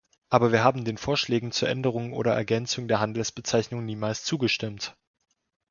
Aber wir haben den Vorschlägen zur Änderung oder Ergänzung der Handelsbezeichnung niemals zugestimmt.